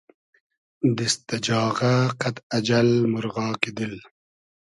دیست دۂ جاغۂ قئد اجئل مورغاگی دیل